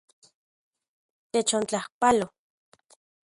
Techontlajpalo.